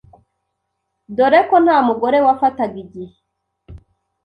dore ko nta mugore wafataga igihe